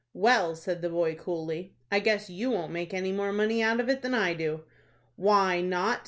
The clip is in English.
"Well," said the boy, coolly, "I guess you won't make any more out of it than I do." "Why not?"